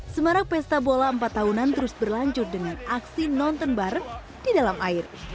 semarang pesta bola empat tahunan terus berlanjut dengan aksi nonton bareng di dalam air